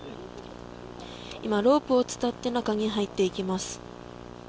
ロープを伝って中に入っていきます。